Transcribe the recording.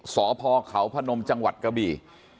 สพเขาพนมจังหวัดกะบี่